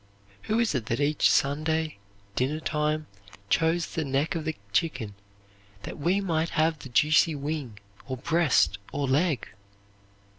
Who is it that each Sunday dinner time chose the neck of the chicken that we might have the juicy wing or breast or leg?